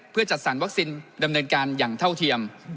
เพื่อจัดสรรวัคซีนดำเนินการอย่างเท่าเทียม